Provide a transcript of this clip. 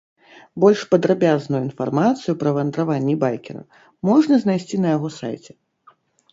Больш падрабязную інфармацыю пра вандраванні байкера можна знайсці на яго сайце.